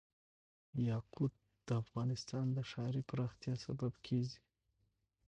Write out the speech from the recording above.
یاقوت د افغانستان د ښاري پراختیا سبب کېږي.